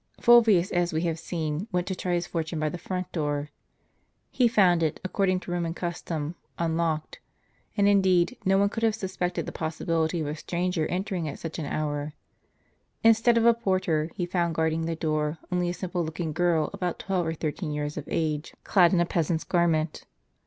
Fulvius, as we have seen, went to try his fortune by the front door. He found it, according to Roman custom, unlocked; and, indeed, no one could have suspected the possibility of a stranger entering at such an hour. Instead of a porter, he found, guarding the door, only a simple looking girl about twelve or thirteen years of age, clad in a peasant's garment.